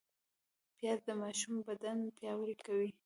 پیاز د ماشوم بدن پیاوړی کوي